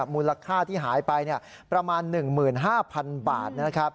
มูลค่าที่หายไปประมาณ๑๕๐๐๐บาท